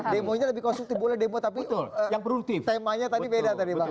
demonya lebih konstruktif boleh demo tapi temanya tadi beda tadi bang